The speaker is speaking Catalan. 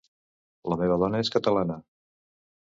La meva dona és catalana.